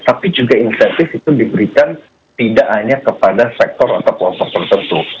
tapi juga insentif itu diberikan tidak hanya kepada sektor atau kelompok tertentu